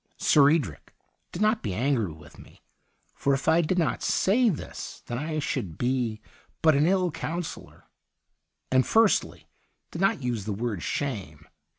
' Sir Edric, do not be angry with me, for if I did not say this, then I should be but an ill counsellor. And, firstly, do not use the word shame.